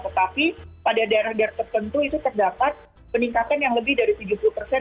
tetapi pada daerah daerah tertentu itu terdapat peningkatan yang lebih dari tujuh puluh persen